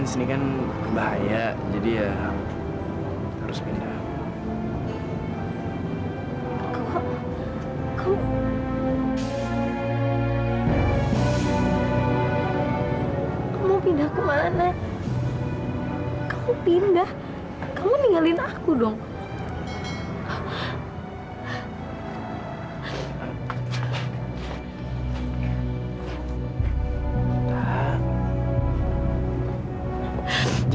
sampai jumpa di video selanjutnya